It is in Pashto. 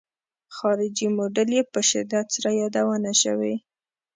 خارجي موډل یې په شدت سره یادونه شوې.